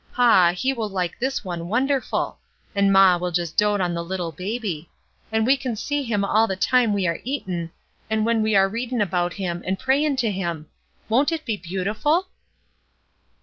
Paw, he will like this one wonderful! and maw will jest dote on the Uttle baby; and we can see Him all the time we are eatin', and when we are readin' about Him, and prayin' to Him ! Won't it be beautiful?"